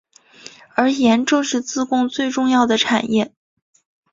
而盐正是自贡最重要的产业。